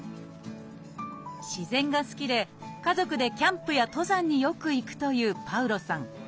自然が好きで家族でキャンプや登山によく行くというパウロさん。